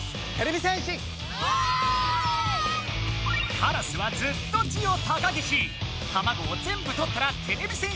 カラスはずっとジオ高岸。